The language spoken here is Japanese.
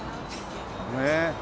ねえ。